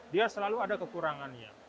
dia selalu ada kekurangannya